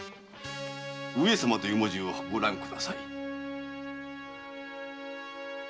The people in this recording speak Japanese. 「上様」という文字をご覧ください。